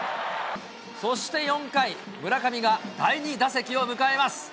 そして４回、村上が第２打席を迎えます。